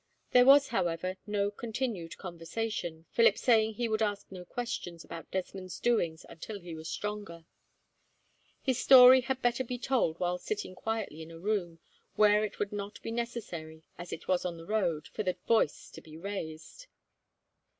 There was, however, no continued conversation, Philip saying he would ask no questions about Desmond's doings until he was stronger. His story had better be told while sitting quietly in a room, where it would not be necessary, as it was on the road, for the voice to be raised.